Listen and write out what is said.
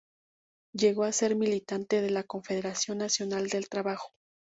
Llegó a ser militante de la Confederación Nacional del Trabajo.